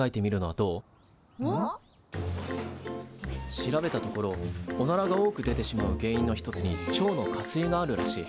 調べたところおならが多く出てしまう原因の一つに腸の下垂があるらしい。